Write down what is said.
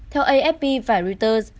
theo afp và reuters